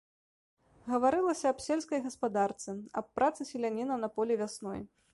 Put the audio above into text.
Гаварылася аб сельскай гаспадарцы, аб працы селяніна на полі вясной.